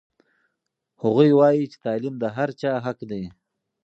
هغوی وایي چې تعلیم د هر چا حق دی.